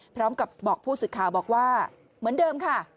พร้อมกับบอกผู้สื่อข่าวบอกว่าเหมือนเดิมค่ะ